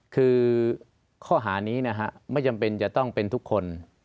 คือข้อหานี้นะฮะไม่จำเป็นจะต้องเป็นทุกคน